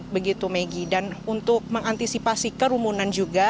begitu megi dan untuk mengantisipasi kerumunan juga